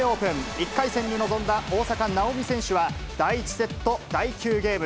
１回戦に臨んだ大坂なおみ選手は、第１セット第９ゲーム。